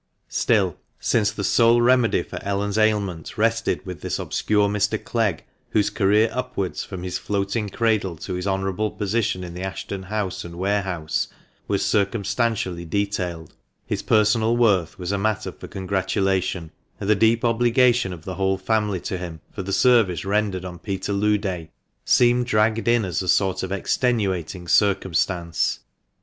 Still, since the sole remedy for Ellen's ailment rested with this obscure Mr. Clegg, whose career upwards, from his floating cradle to his honourable position in the Ash ton house and warehouse, was circumstantially detailed, his personal worth was a matter for congratulation ; and the deep obligation of the whole family to him for the service rendered on Peterloo Day seemed dragged in as a sort of extenuating circumstance.